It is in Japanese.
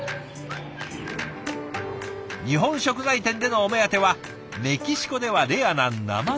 日本食材店でのお目当てはメキシコではレアな生魚。